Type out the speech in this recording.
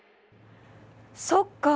そっか。